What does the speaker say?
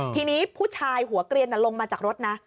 ทีนี้ผู้ชายหัวเกลียนลงมาจากรถนะ